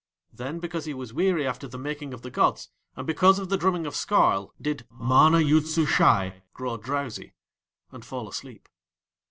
Then because he was weary after the making of the gods, and because of the drumming of Skarl, did MANA YOOD SUSHAI grow drowsy and fall asleep.